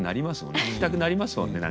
聞きたくなりますもんね